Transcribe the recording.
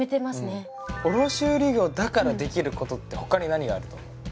卸売業だからできることってほかに何があると思う？